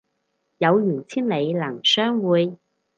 有緣千里能相會